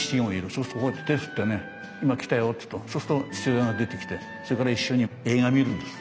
そうするとこうやって手ぇ振ってね今来たよって言うとそうすると父親が出てきてそれから一緒に映画見るんです。